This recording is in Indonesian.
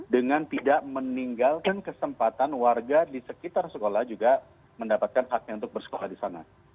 dengan tidak meninggalkan kesempatan warga di sekitar sekolah juga mendapatkan haknya untuk bersekolah di sana